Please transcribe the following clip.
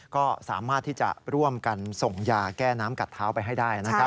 ก็สามารถที่จะร่วมกันส่งยาแก้น้ำกัดเท้าไปให้ได้นะครับ